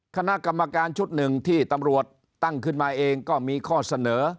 คณะกรรมการชุดหนึ่งที่ตำรวจตั้งขึ้นมาเองก็มีข้อเสนอ